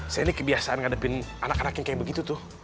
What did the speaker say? saya ini kebiasaan ngadepin anak anak yang kayak begitu tuh